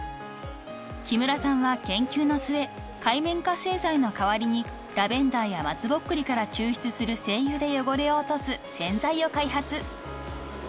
［木村さんは研究の末界面活性剤の代わりにラベンダーや松ぼっくりから抽出する精油で汚れを落とす洗剤を開発］